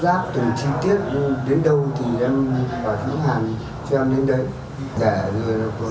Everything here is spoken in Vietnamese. bán thì tôi nói